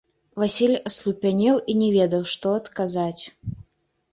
Васіль аслупянеў і не ведаў, што адказаць.